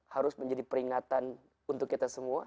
harus menjadi peringatan untuk kita semua